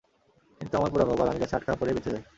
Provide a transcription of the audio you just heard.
কিন্তু আমার পোড়া কপাল, আমি গাছে আটকা পড়ে বেঁচে যাই।